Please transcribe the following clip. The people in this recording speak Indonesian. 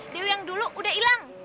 dewi yang dulu udah ilang